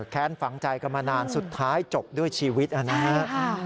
ฝังใจกันมานานสุดท้ายจบด้วยชีวิตนะครับ